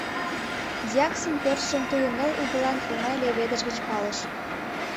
Дьяксын пӧртшым тудо ныл угылан оҥай леведыш гыч палыш.